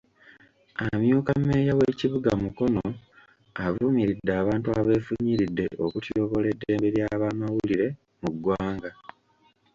Amyuka mmeeya w'ekibuga Mukono avumiridde abantu abeefunyiridde okutyoboola eddembe ly'abamawulire mu ggwanga.